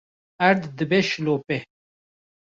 erd dibe şilope